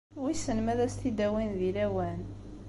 Wissen ma ad as-t-id-awin di lawan?